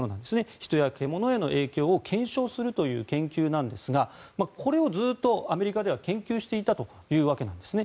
人や獣への影響を検証するという研究なんですがこれをずっとアメリカでは研究していたというわけなんです。